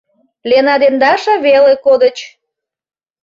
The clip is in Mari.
Лена ден Даша веле кодыч.